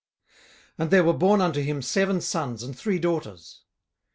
18:001:002 And there were born unto him seven sons and three daughters.